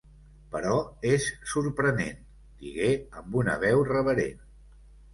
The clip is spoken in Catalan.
"Però és sorprenent", digué amb una veu reverent.